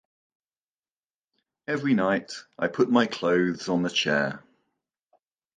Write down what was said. Every night, I put my clothes on the chair.